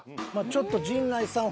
ちょっと陣内さん